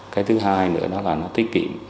cái thứ hai nữa đó là nó tiết kiệm